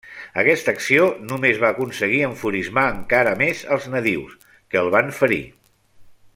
Aquesta acció només va aconseguir enfurismar encara més als nadius, que el van ferir.